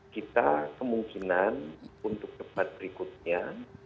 kita kemungkinan untuk debat berikutnya